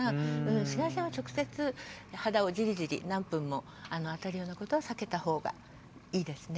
紫外線は直接肌をじりじり何分も当てるようなことは避けた方がいいですね。